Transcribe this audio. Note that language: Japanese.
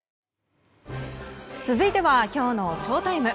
続いてはきょうのＳＨＯＴＩＭＥ。